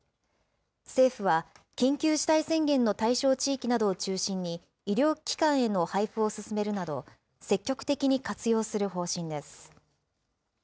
政府は、緊急事態宣言の対象地域などを中心に、医療機関への配布を進めるなど、積極的に活用する方針です。